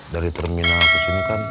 dari terminal kesini kan